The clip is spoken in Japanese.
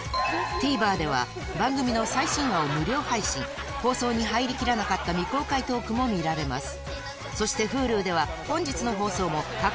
ＴＶｅｒでは番組の最新話を無料配信放送に入りきらなかった未公開トークも見られます